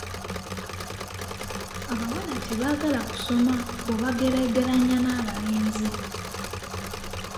Abawala tebaagala kusoma bw'obageraageranya n'abalenzi.